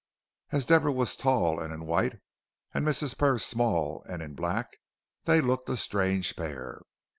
As Deborah was tall and in white and Mrs. Purr small and in black, they looked a strange pair.